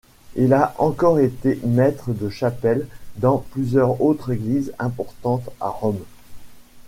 Il a encore été maître de chapelle dans plusieurs autres églises importantes à Rome.